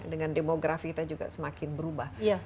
dengan demografi kita juga semakin berubah